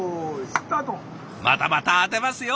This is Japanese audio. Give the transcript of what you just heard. またまた当てますよ。